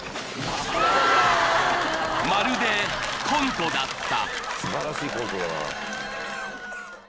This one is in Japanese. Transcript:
［まるでコントだった］